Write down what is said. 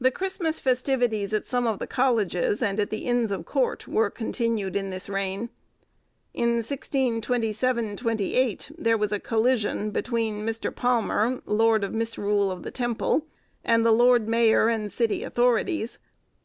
The Christmas festivities, at some of the colleges, and at the Inns of Court, were continued in this reign. In 1627 8, there was a collision between Mr. Palmer, lord of Misrule of the Temple, and the lord mayor and city authorities.